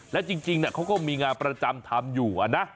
และจริงนะเค้าก็มีงานประจำทำอยู่ด้วยนะ